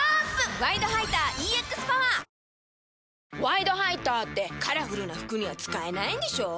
「ワイドハイター」ってカラフルな服には使えないんでしょ？